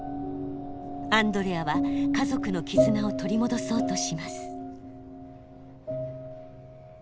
アンドレアは家族の絆を取り戻そうとします。